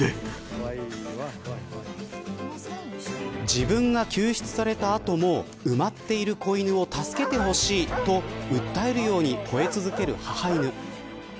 自分が救出された後も埋まっている子犬を助けてほしいと訴えるように、ほえ続ける母犬。